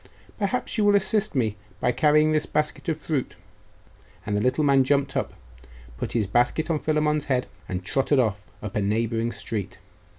Perhaps you will assist me by carrying this basket of fruit?' And the little man jumped up, put his basket on Philammon's head, and trotted off up a neighbouring street.